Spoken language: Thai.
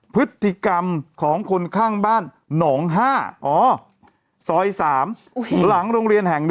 พฤติกรรมของคนข้างบ้านหนอง๕อ๋อซอย๓หลังโรงเรียนแห่ง๑